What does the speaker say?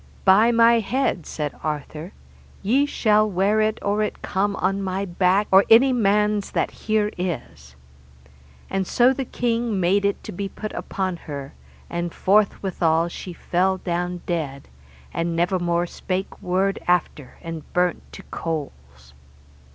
By my head, said Arthur, ye shall wear it or it come on my back, or any man's that here is. And so the king made it to be put upon her, and forth withal she fell down dead, and never more spake word after and burnt to coals.